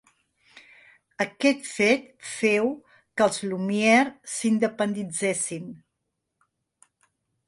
Aquest fet féu que els Lumière s'independitzessin.